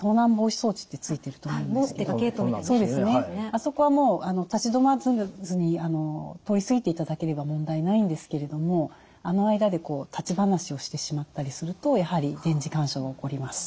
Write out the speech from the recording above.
あそこはもう立ち止まらずに通り過ぎていただければ問題ないんですけれどもあの間で立ち話をしてしまったりするとやはり電磁干渉が起こります。